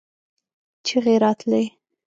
چيغې راتلې.